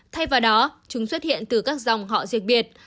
thay vào đó chúng xuất hiện từ các dòng họ dịch biệt